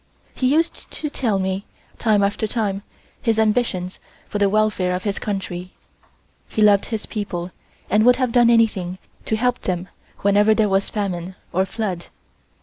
He used to tell me, time after time, his ambitions for the welfare of his country. He loved his people and would have done anything to help them whenever there was famine or flood.